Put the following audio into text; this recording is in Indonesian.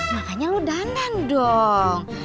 makanya lo dandan dong